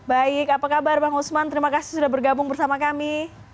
baik apa kabar bang usman terima kasih sudah bergabung bersama kami